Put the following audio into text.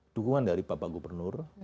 dukungan dari bapak gubernur